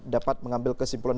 ya namanya kesalahan